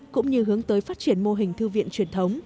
cũng như hướng tới phát triển mô hình thư viện truyền thống